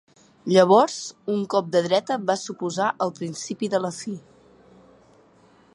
Llavors, un cop de dreta va suposar el principi de la fi.